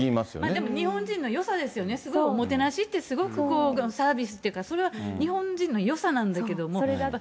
でも日本人のよさですよね、すごいおもてなしってすごいサービスっていうか、それは日本人のよさなんだけれども。